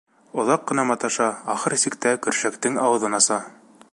Оҙаҡ ҡына маташа, ахыр сиктә, көршәктең ауыҙын аса.